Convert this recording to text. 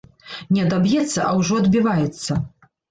Не адаб'ецца, а ўжо адбіваецца.